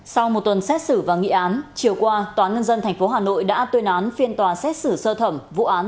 sau một tuần xét xử và nghị án chiều qua tnthh đã tuyên án phiên tòa xét xử sơ thẩm vụ án